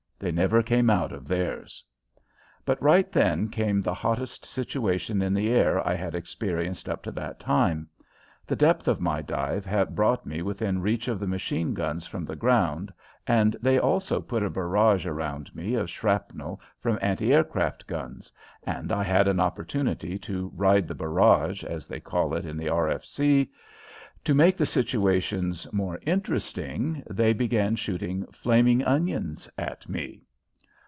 They never came out of theirs! But right then came the hottest situation in the air I had experienced up to that time. The depth of my dive had brought me within reach of the machine guns from the ground and they also put a "barrage" around me of shrapnel from anti aircraft guns, and I had an opportunity to "ride the barrage," as they call it in the R. F. C. To make the situation more interesting, they began shooting "flaming onions" at me.